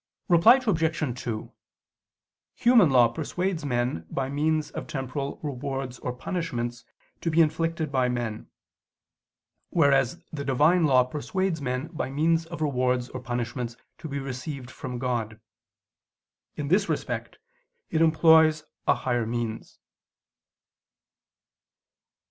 Reply Obj. 2: Human law persuades men by means of temporal rewards or punishments to be inflicted by men: whereas the Divine law persuades men by means of rewards or punishments to be received from God. In this respect it employs higher means.